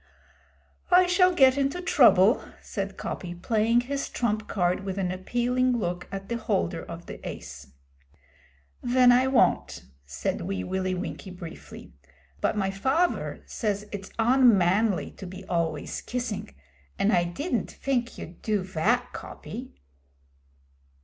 'I shall get into trouble,' said Coppy, playing his trump card with an appealing look at the holder of the ace. 'Ven I won't,' said Wee Willie Winkie briefly. 'But my faver says it's un man ly to be always kissing, and I didn't fink you'd do vat, Coppy.'